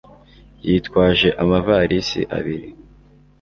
Yitwaje amavalisi abiri